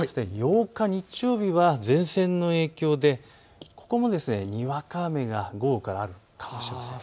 ８日日曜日は前線の影響でここもにわか雨が午後からあるかもしれません。